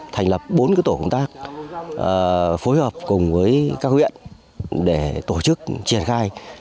thành lập bốn tổ công tác phối hợp cùng với các huyện để tổ chức triển khai